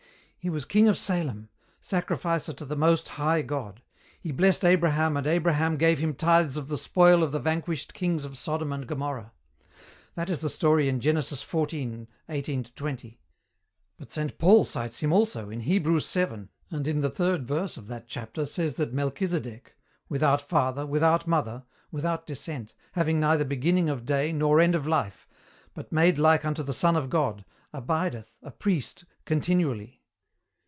He was king of Salem, sacrificer to the Most High God. He blessed Abraham and Abraham gave him tithes of the spoil of the vanquished kings of Sodom and Gomorrah. That is the story in Genesis 14:18 20. But Saint Paul cites him also, in Hebrews 7, and in the third verse of that chapter says that Melchisedek, 'without father, without mother, without descent, having neither beginning of day, nor end of life, but made like unto the Son of God, abideth, a priest continually.'